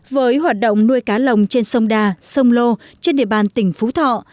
với hoạt động nuôi cá lồng trên sông đà sông lô trên địa bàn tỉnh phú thọ